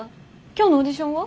今日のオーディションは？